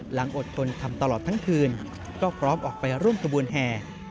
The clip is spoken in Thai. อดทนทำตลอดทั้งคืนก็พร้อมออกไปร่วมขบวนแห่